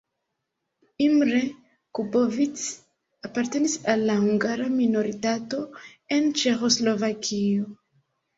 Imre Kubovics apartenis al la hungara minoritato en Ĉeĥoslovakio.